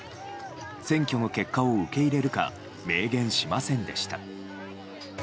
選挙の結果を受け入れるか明言しませんでした。